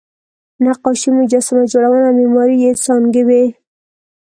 نقاشي، مجسمه جوړونه او معماري یې څانګې وې.